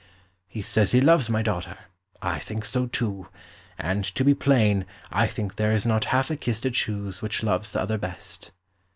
"He says he loves my daughter; I think so too. And, to be plain, I think there is not half a kiss to choose which loves the other best."